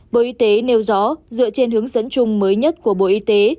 bộ y tế nêu rõ dựa trên hướng dẫn chung mới nhất của bộ y tế